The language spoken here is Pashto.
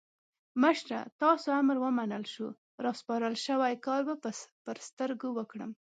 مشره تاسو امر ومنل شو؛ راسپارل شوی کار به پر سترګو وکړم.